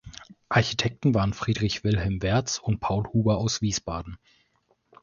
Architekten waren Friedrich Wilhelm Wertz und Paul Huber aus Wiesbaden.